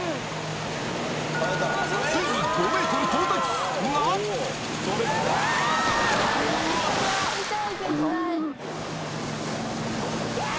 ついに５ｍ到達がヒャー！